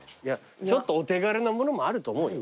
ちょっとお手軽なものもあると思うよ。